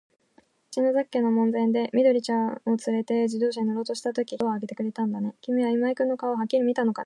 きみが篠崎家の門前で、緑ちゃんをつれて自動車に乗ろうとしたとき、秘書の今井というのがドアをあけてくれたんだね。きみは今井君の顔をはっきり見たのかね。